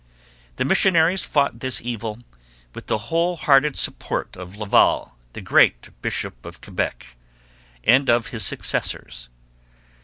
The missionaries fought this evil, with the wholehearted support of Laval, the great bishop of Quebec, and of his successors.